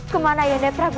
kemana ayahanda prabu